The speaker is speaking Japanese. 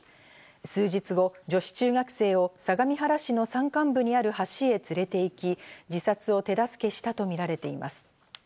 数日後、女子中学生を相模原市の山間部にある橋へ連れて行き、自殺を手助けしたとみられています。